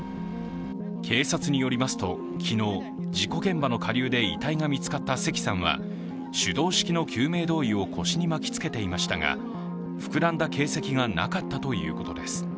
警察によりますと、昨日、事故現場の下流で遺体が見つかった関さんは手動式の救命胴衣を腰に巻きつけていましたが、膨らんだ形跡がなかったということです。